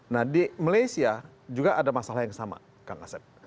nah di malaysia juga ada masalah yang sama kang asep